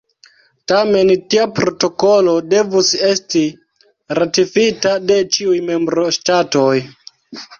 Tamen tia protokolo devus esti ratifita de ĉiuj membroŝtatoj.